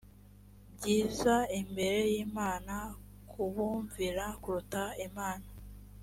byiza imbere y imana kubumvira kuruta imana